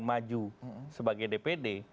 maju sebagai dpd